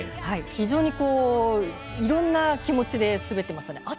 非常にいろんな気持ちで滑っていましたね。